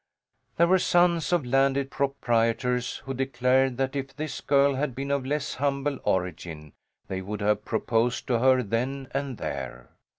There were sons of landed proprietors who declared that if this girl had been of less humble origin they would have proposed to her then and there.